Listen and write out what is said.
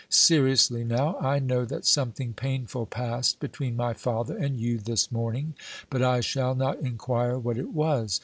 Seriously, now, I know that something painful passed between my father and you this morning, but I shall not inquire what it was.